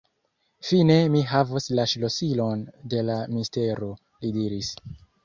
Fine mi havos la ŝlosilon de la mistero, li diris.